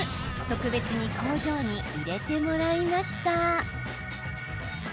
特別に工場に入れてもらいました。